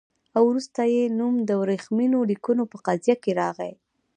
او وروسته یې نوم د ورېښمینو لیکونو په قضیه کې راغی.